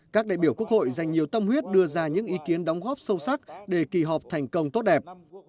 các đại biểu quốc hội dành nhiều tâm huyết đưa ra những ý kiến đóng góp sâu sắc để kỳ họp thành công tốt đẹp